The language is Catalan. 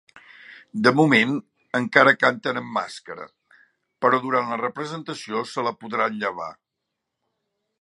De moment, encara canten amb màscara, però durant la representació se la podran llevar.